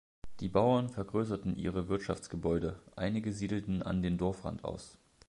Die Bauern vergrößerten ihre Wirtschaftsgebäude, einige siedelten an den Dorfrand aus.